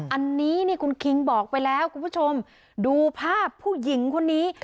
อันนี้นี่คุณคิงบอกไปแล้วคุณผู้ชมดูภาพผู้หญิงคนนี้